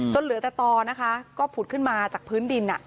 เหลือแต่ต่อนะคะก็ผุดขึ้นมาจากพื้นดิน